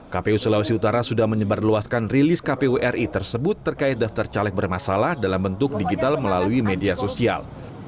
kpu sulawesi utara sudah menyebarluaskan rilis kpu ri tersebut terkait daftar caleg bermasalah dalam bentuk digital melalui media sosial